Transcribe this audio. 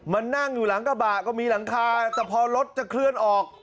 มานั่งอยู่หลังกระบะก็มีหลังคาแต่พอรถจะเคลื่อนออก